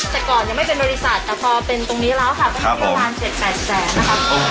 แต่ก่อนยังไม่เป็นบริษัทแต่พอเป็นตรงนี้แล้วค่ะครับผม